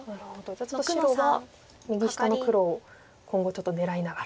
じゃあちょっと白は右下の黒を今後ちょっと狙いながら。